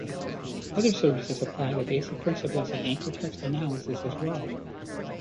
Other services apply the basic principles of anchor text analysis as well.